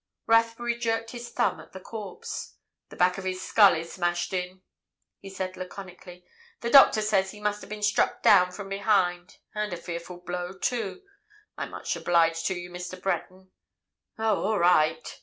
Rathbury jerked his thumb at the corpse. "The back of his skull is smashed in," he said laconically. "The doctor says he must have been struck down from behind—and a fearful blow, too. I'm much obliged to you, Mr. Breton." "Oh, all right!"